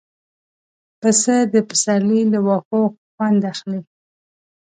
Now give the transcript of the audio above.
پسه د پسرلي له واښو خوند اخلي.